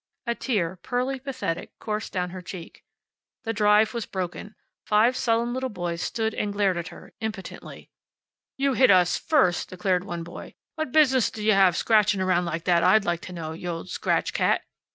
A tear, pearly, pathetic, coursed down her cheek. The drive was broken. Five sullen little boys stood and glared at her, impotently. "You hit us first," declared one boy. "What business d' you have scratching around like that, I'd like to know! You old scratch cat!"